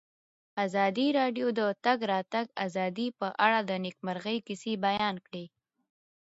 ازادي راډیو د د تګ راتګ ازادي په اړه د نېکمرغۍ کیسې بیان کړې.